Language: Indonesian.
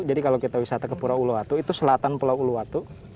jadi kalau kita wisata ke pura uluwatu itu selatan pulau uluwatu